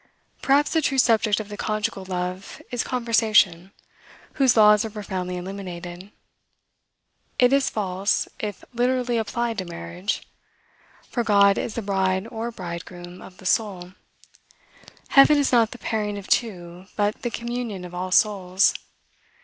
Perhaps the true subject of the "Conjugal Love" is conversation, whose laws are profoundly eliminated. It is false, if literally applied to marriage. For God is the bride or bridegroom of the soul. Heaven is not the pairing of two, but the communion of all souls.